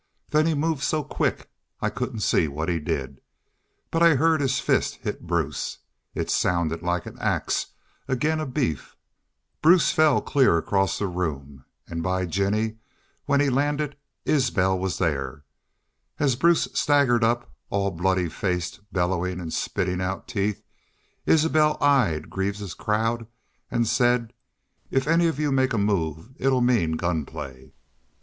... Then he moved so quick I couldn't see what he did. But I heerd his fist hit Bruce. It sounded like an ax ag'in' a beef. Bruce fell clear across the room. An' by Jinny when he landed Isbel was thar. As Bruce staggered up, all bloody faced, bellowin' an' spittin' out teeth Isbel eyed Greaves's crowd an' said: 'If any of y'u make a move it 'll mean gun play.'